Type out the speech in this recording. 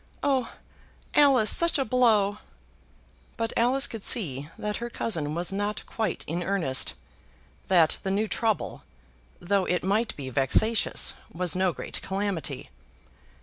"Oh, Alice, such a blow!" But Alice could see that her cousin was not quite in earnest; that the new trouble, though it might be vexatious, was no great calamity.